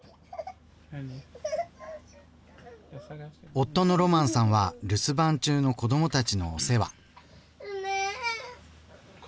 夫のロマンさんは留守番中の子どもたちのお世話。